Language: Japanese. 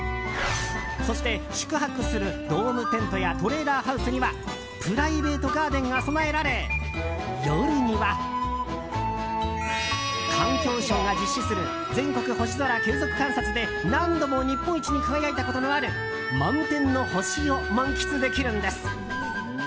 そして、宿泊するドームテントやトレーラーハウスにはプライベートガーデンが備えられ夜には環境省が実施する全国星空継続観察で何度も日本一に輝いたことのある満天の星を満喫できるんです。